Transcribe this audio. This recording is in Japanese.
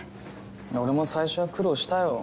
俺も最初は苦労したよ。